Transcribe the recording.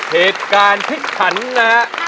เหตุการณ์ที่ขันนะ